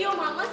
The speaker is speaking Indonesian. apa sih apa sih